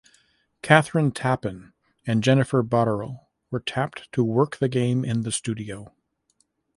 Kathryn Tappen and Jennifer Botterill were tapped to work the game in the studio.